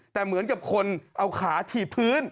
แต่เหมือนกับคนเอาขาถีบพื้น